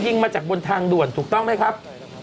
มาจากบนทางด่วนถูกต้องไหมครับ